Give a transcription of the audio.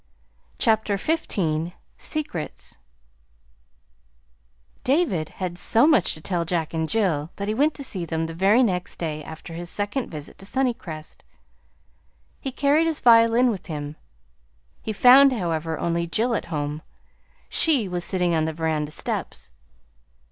CHAPTER XV SECRETS David had so much to tell Jack and Jill that he went to see them the very next day after his second visit to Sunnycrest. He carried his violin with him. He found, however, only Jill at home. She was sitting on the veranda steps.